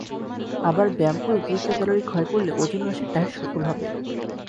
আবার ব্যায়াম করে অতিরিক্ত ক্যালরি ক্ষয় করলে ওজন হ্রাসের ডায়েট সফল হবে।